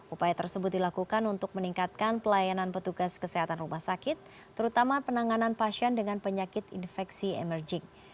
upaya tersebut dilakukan untuk meningkatkan pelayanan petugas kesehatan rumah sakit terutama penanganan pasien dengan penyakit infeksi emerging